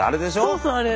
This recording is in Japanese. そうそうあれ。